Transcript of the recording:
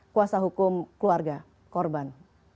kuasa hukum keluarga korban